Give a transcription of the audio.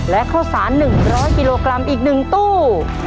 และข้าวสาร๑๐๐กิโลกรัมอีก๑ตู้